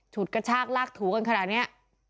สูตรกระชากลากถูแล้วกันขนาดนี้